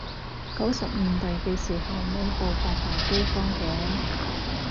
九十年代嘅時候咪爆發大饑荒嘅？